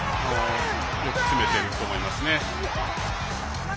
よく詰めてると思いますね。